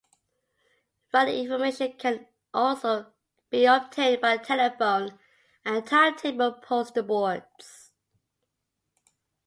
Running information can also be obtained by telephone and timetable poster boards.